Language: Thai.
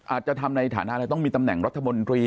อาจจะทำในฐานะอะไรต้องมีตำแหน่งรัฐมนตรี